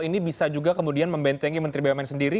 ini bisa juga kemudian membentengi menteri bumn sendiri